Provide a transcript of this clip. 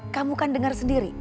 kamu kan denger sendiri